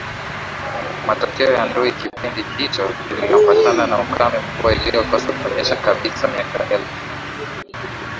matokeo ya ndui Kipindi hicho kiliambatana na ukame Mvua ilikosa kunyesha kabisa miaka elfu